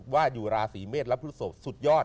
ว่าอยู่ราศิเมฆรับพระทศพสุดยอด